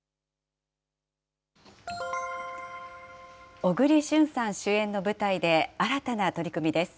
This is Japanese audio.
小栗旬さん主演の舞台で新たな取り組みです。